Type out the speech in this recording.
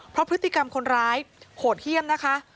เพราะพฤติกรรมคนร้ายโหดเยี่ยมนะคะ